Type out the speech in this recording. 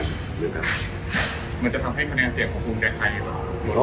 มันจะทำให้แผนเนื้อเสียบของกวงใจไพรเหรอ